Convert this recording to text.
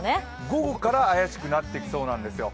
午後から怪しくなってきそうなんですよ。